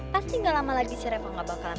pasti gak lama lagi si reva gak bakalan